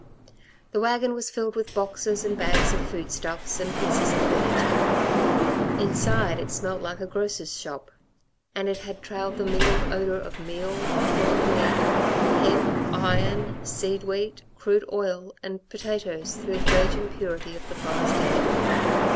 The wagon was filled with boxes and bags of food stuffs and pieces of furniture. Inside it smelt like a grocer's shop; and it had trailed the mingled odour of meal, corned meat, hemp, iron, seed wheat, crude oil and potatoes through the virgin purity of the forest air.